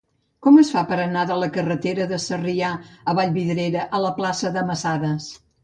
Com es fa per anar de la carretera de Sarrià a Vallvidrera a la plaça de Masadas?